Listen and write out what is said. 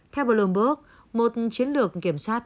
theo bloomberg một chiến lược kiểm soát